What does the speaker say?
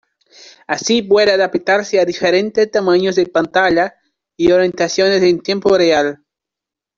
Así puede adaptarse a diferentes tamaños de pantalla y orientaciones en tiempo real.